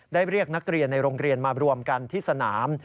เรียกนักเรียนในโรงเรียนมารวมกันที่สนาม